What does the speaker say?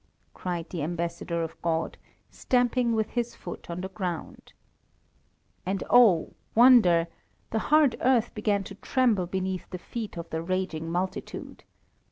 cried the ambassador of God, stamping with his foot on the ground. And oh, wonder! the hard earth began to tremble beneath the feet of the raging multitude.